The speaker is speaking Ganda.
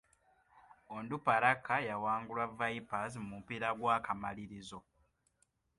Onduparaka yawangulwa Vipers mu mupiira gw'akamalirizo.